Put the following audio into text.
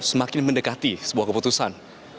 semakin mendekati sebuah keputusan